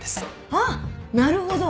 あっなるほど！